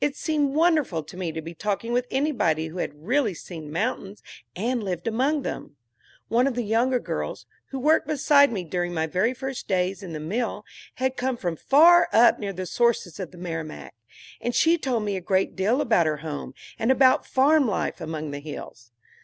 It seemed wonderful to me to be talking with anybody who had really seen mountains and lived among them. One of the younger girls, who worked beside me during my very first days in the mill, had come from far up near the sources of the Merrimack, and she told me a great deal about her home, and about farm life among the hills.